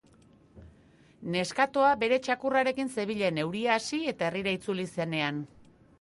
Neskatoa bere txakurrarekin zebilen, euria hasi eta herrira itzuli zenean.